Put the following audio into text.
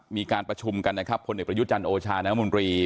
มีการประชุมกันนะครับคนเด็กประยุทธ์จันทร์โอชาณมุมรี